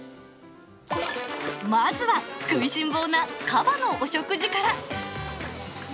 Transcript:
まずは食いしん坊なカバのお食事から。